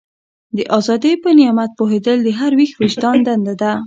د ازادۍ په نعمت پوهېدل د هر ویښ وجدان دنده ده.